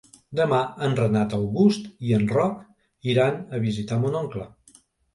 Demà en Renat August i en Roc iran a visitar mon oncle.